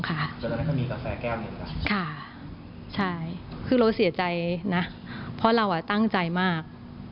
ประมาณ๒ชั่วโมงค่ะค่ะคือเราเสียใจนะเพราะเราตั้งใจมาก